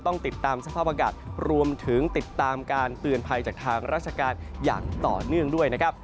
ต้องติดตามสภาพอากาศรวมถึงติดตามการเตือนภัยจากทางราชการอย่างต่อเนื่องด้วยนะครับ